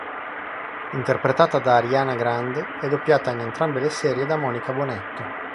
Interpretata da Ariana Grande, è doppiata in entrambe le serie da Monica Bonetto.